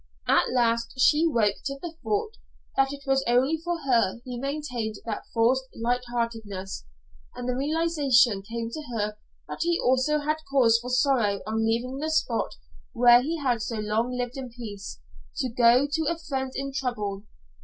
At last she woke to the thought that it was only for her he maintained that forced light heartedness, and the realization came to her that he also had cause for sorrow on leaving the spot where he had so long lived in peace, to go to a friend in trouble.